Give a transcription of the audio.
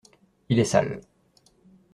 Il est sale.